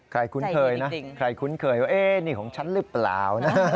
คุ้นเคยนะใครคุ้นเคยว่านี่ของฉันหรือเปล่านะ